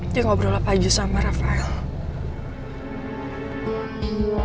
dia ngobrol apa aja sama rafael